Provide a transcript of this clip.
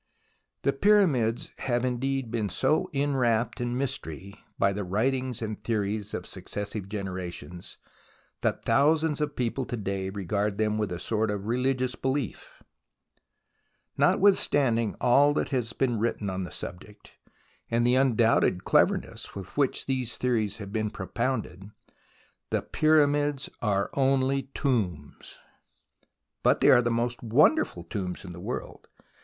The Pyramids have indeed been so enwrapped in mystery, by the writings and theories of successive generations, that thousands of people to day regard them with a sort of religious belief. Notwithstanding all that has been written on the subject, and the undoubted cleverness with which these theories have been propounded, the Pyramids 56 THE ROMANCE OF EXCAVATION are only tombs. But they are the most wonderful tombs in the world.